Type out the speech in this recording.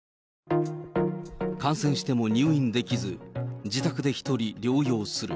感染しても入院できず、自宅で１人療養する。